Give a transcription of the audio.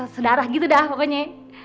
saudara gitu dah pokoknya